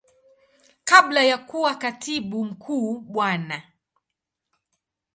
Kabla ya kuwa Katibu Mkuu Bwana.